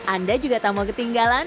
anda juga tamu ketinggalan